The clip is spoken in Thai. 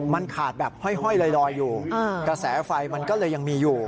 มันขาดแบบห้อยลอยอยู่กระแสไฟมันก็เลยยังมีอยู่